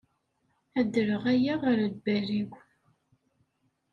Ad d-rreɣ aya ɣer lbal-iw.